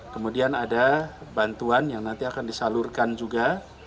kemudian ada bantuan yang nanti akan disalurkan juga